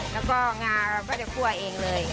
แล้วก็งาเราก็จะคั่วเองเลย